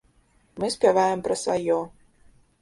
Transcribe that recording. Мы спяваем пра сваё.